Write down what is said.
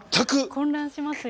混乱しますよね。